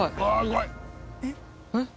えっ？